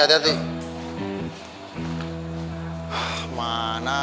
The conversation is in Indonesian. surti adriana di mana